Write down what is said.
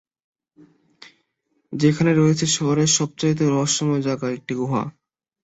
যেখানে রয়েছে শহরের সবচাইতে রহস্যময় জায়গা, একটি গুহা!